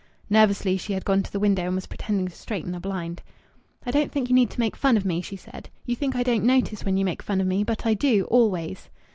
Nervously she had gone to the window and was pretending to straighten a blind. "I don't think you need to make fun of me," she said. "You think I don't notice when you make fun of me. But I do always."